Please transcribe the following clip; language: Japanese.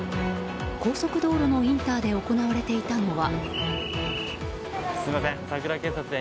高速道路のインターで行われていたのは。